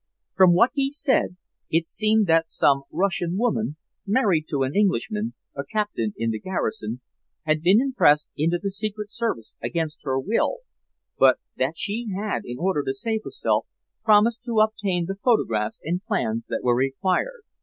From what he said, it seemed that some Russian woman, married to an Englishman, a captain in the garrison, had been impressed into the secret service against her will, but that she had, in order to save herself, promised to obtain the photographs and plans that were required.